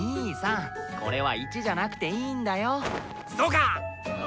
これは１じゃなくていーんだよー。